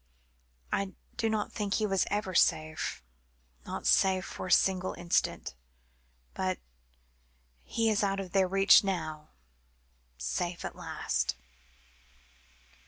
I do not think he was ever safe not safe for a single instant. But he is out of their reach now safe at last."